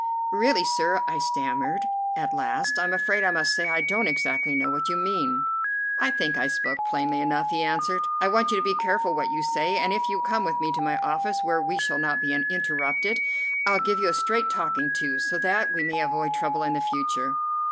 "Really, sir," I stammered at last, "I'm afraid I must say I don't exactly know what you mean." "I think I spoke plainly enough," he answered. "I want you to be careful what you say, and if you come with me to my office, where we shall not be interrupted, I'll give you a straight talking to, so that we may avoid trouble in the future."